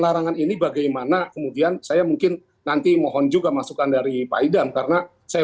larangan ini bagaimana kemudian saya mungkin nanti mohon juga masukan dari pak idam karena saya